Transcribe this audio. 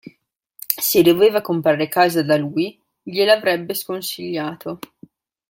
Se doveva comprare casa da lui gliela avrebbe sconsigliato.